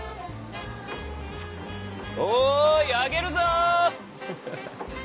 おい上げるぞ！